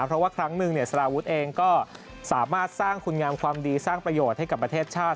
เพราะว่าครั้งหนึ่งสารวุฒิเองก็สามารถสร้างคุณงามความดีสร้างประโยชน์ให้กับประเทศชาติ